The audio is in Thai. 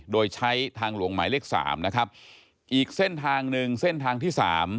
โดยใช้ทางหลวงหมายเลขสามนะครับอีกเส้นทางหนึ่งเส้นทางที่สาม